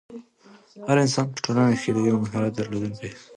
هر انسان په ټولنه کښي د یو مهارت درلودونکی دئ.